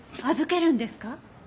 預けるんですか？